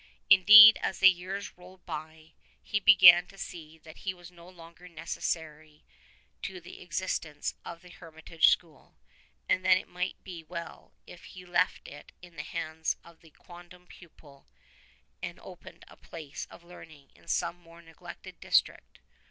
Indeed as the years rolled by he began to see that he was no longer necessary to the exist ence of the hermitage school, and that it might be well if he left it in the hands of a quondam pupil and opened a place of learning in some more neglected district.